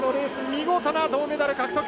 見事な銅メダル獲得！